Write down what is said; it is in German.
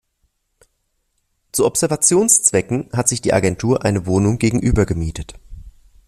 Zu Observationszwecken hat sich die Agentur eine Wohnung gegenüber gemietet.